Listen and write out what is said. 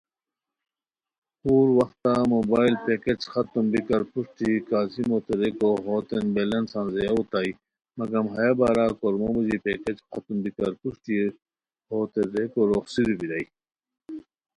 خور وختہ موبائلو پیکیچ ختم بیکار پروشٹی کاظموتین ریکو ہوتین بیلنس انځیاؤ اوتائے، مگم ہیہ بارا کورمو موژی پیکیج ختم بیکار پروشٹی ہتوتین ریکو روخڅیرو بیرائے